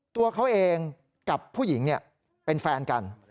ตัวเขาเองกับผู้หญิงเป็นแฟนกัน